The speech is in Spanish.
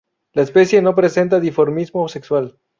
La especie no presenta dimorfismo sexual.